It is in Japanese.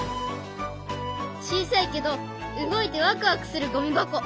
小さいけど動いてワクワクするゴミ箱！